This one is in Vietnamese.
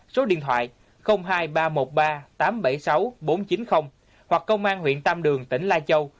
số điện thoại hai nghìn ba trăm một mươi ba tám trăm bảy mươi sáu bốn trăm chín mươi hoặc công an huyện tam đường tỉnh lai châu